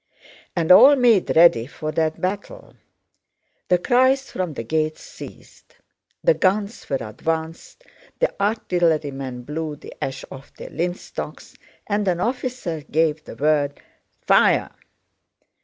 And all made ready for that battle. The cries from the gates ceased. The guns were advanced, the artillerymen blew the ash off their linstocks, and an officer gave the word "Fire!"